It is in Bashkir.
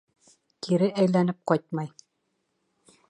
Кире әйләнеп ҡайтмай.